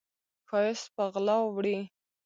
ښایست په غلا وړي